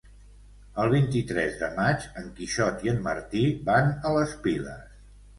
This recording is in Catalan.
El vint-i-tres de maig en Quixot i en Martí van a les Piles.